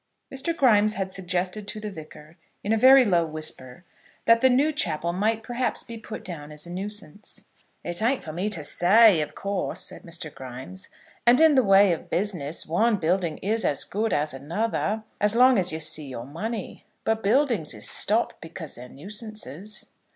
Mr. Grimes had suggested to the Vicar in a very low whisper that the new chapel might perhaps be put down as a nuisance. "It ain't for me to say, of course," said Mr. Grimes, "and in the way of business one building is as good as another as long as you see your money. But buildings is stopped because they're nuisances."